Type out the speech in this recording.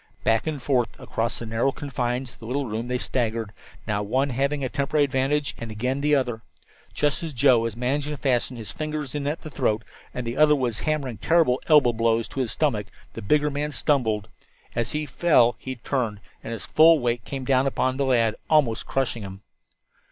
Back and forth across the narrow confines of the little room they staggered, now one having a temporary advantage, and again the other. Just as Joe was managing to fasten his fingers in at the throat, and the other was hammering terrible elbow blows into his stomach, the bigger man stumbled. As he fell he turned, and his full weight came down upon the lad, almost crushing him.